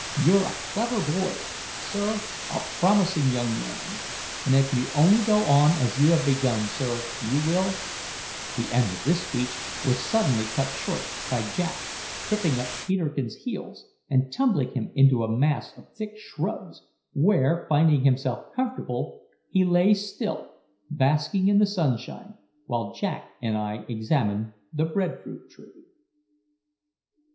You're a clever boy, sir a promising young man; and if you only go on as you have begun, sir, you will " The end of this speech was suddenly cut short by Jack tripping up Peterkin's heels and tumbling him into a mass of thick shrubs, where, finding himself comfortable, he lay still, basking in the sunshine, while Jack and I examined the bread fruit tree.